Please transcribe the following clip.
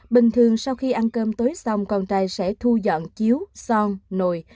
bình thường sau khi ăn cơm tối xong con tài sẽ thu dọn chiếu son nồi